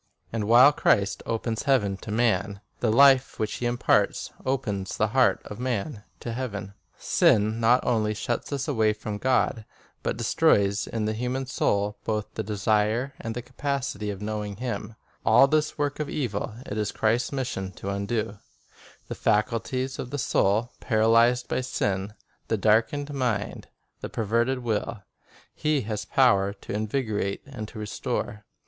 And while Christ opens heaven to man, the life which He imparts opens the heart of man to heaven. Sin not only shuts us away from God, but destroys (28) 1 2 Cor. 4:6; 5:19. 2 John 1 : 14, R. V.J I :4. Relation of Education to Redemption 29 in the human soul both the desire and the capacity for knowing Him. All this work of evil it is Christ's mission to undo. The faculties of the soul, paralyzed by sin, the darkened mind, the perverted will, He has power to invigorate and to restore.